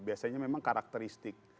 biasanya memang karakteristik